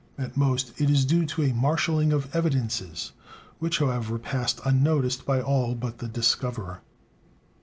At most it is due to a marshalling of "evidences" which, however, passed unnoticed by all but the discoverer.